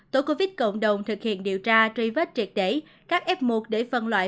tổ covid cộng đồng thực hiện điều tra truy vết triệt để các f một để phân loại